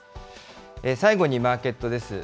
最後にマーケットです。